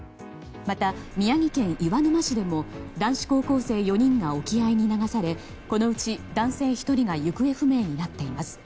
また、宮城県岩沼市でも男子高校生４人が沖合に流されこのうち男性１人が行方不明になっています。